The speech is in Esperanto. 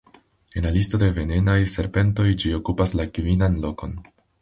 En la listo de venenaj serpentoj ĝi okupas la kvinan lokon.